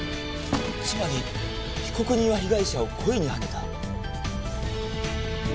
つまり被告人は被害者を故意に当てた？